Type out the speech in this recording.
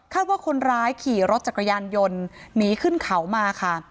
ว่าคนร้ายขี่รถจักรยานยนต์หนีขึ้นเขามาค่ะ